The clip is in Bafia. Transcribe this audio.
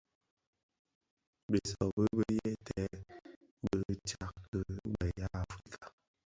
Bisobi bi yeten bi tsak ki be ya Afrika,